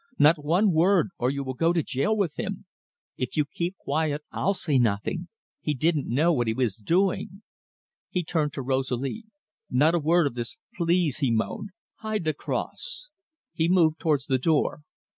Not one word, or you will go to jail with him. If you keep quiet, I'll say nothing. He didn't know what he was doing." He turned to Rosalie. "Not a word of this, please," he moaned. "Hide the cross." He moved towards the door.